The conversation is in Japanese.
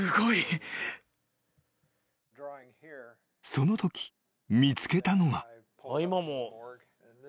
［そのとき見つけたのが］